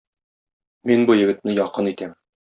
Мин бу егетне якын итәм.